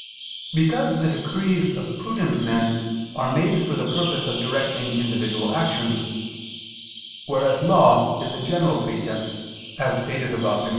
Because the decrees of prudent men are made for the purpose of directing individual actions; whereas law is a general precept, as stated above (Q.